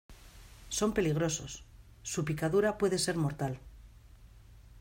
son peligrosos. su picadura puede ser mortal .